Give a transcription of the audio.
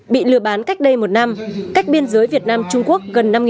bị lừa bán cách đây một năm cách biên giới việt nam trung quốc gần năm km